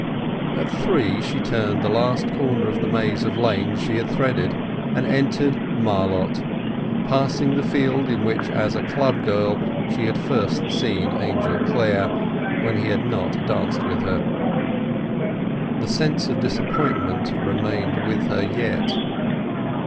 At three she turned the last corner of the maze of lanes she had threaded, and entered Marlott, passing the field in which as a club girl she had first seen Angel Clare, when he had not danced with her; the sense of disappointment remained with her yet.